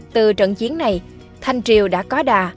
từ trận chiến này thanh triều đã có đà